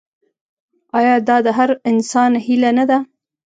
آیا دا د هر انسان هیله نه ده؟